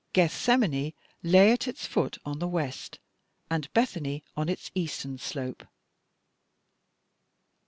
Gethsemane lay at its foot on the west, and Bethany on its eastern slope.'"